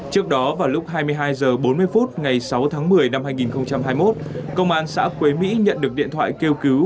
trước đó vào lúc hai mươi hai h bốn mươi phút ngày sáu tháng một mươi năm hai nghìn hai mươi một công an xã quế mỹ nhận được điện thoại kêu cứu